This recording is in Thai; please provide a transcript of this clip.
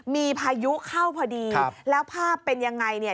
มีพายุเข้าพอดีแล้วภาพเป็นยังไงเนี่ย